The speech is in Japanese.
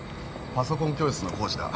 パソコン教室の講師だ。